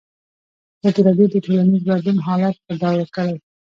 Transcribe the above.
ازادي راډیو د ټولنیز بدلون حالت په ډاګه کړی.